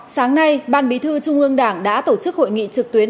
sáng nay ban bí thư trung ương đảng đã tổ chức hội nghị trực tuyến